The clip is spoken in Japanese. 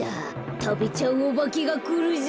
たべちゃうおばけがくるぞ。